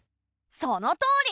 そのとおり！